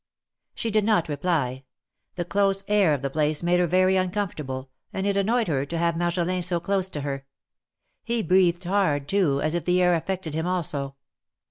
She did not reply. The close air of the place made her very uncomfortable, and it annoyed her to have Marjolin so close to her. He breathed hard too, as if the air affected him also.